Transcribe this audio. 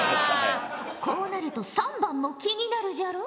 こうなると３番も気になるじゃろう？